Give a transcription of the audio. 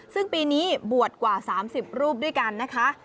ซึ่งปีนี้บวชกว่า๓๐รูปด้วยกันนะคะ